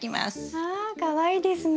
わかわいいですね。